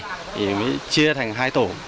thì mới chia thành hai tổ